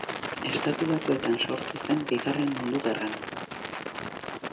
Estatu Batuetan sortu zen Bigarren Mundu Gerran.